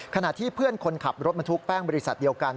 ขณะที่เพื่อนคนขับรถบรรทุกแป้งบริษัทเดียวกัน